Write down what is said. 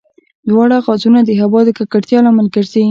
دواړه غازونه د هوا د ککړتیا لامل ګرځي.